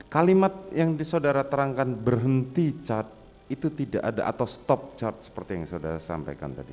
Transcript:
kalimat yang saudara terangkan berhenti cat itu tidak ada atau stop chart seperti yang saudara sampaikan tadi